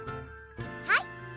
はい。